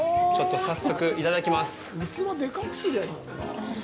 ちょっと早速いただきます。